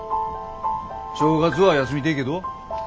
正月は休みでえげど。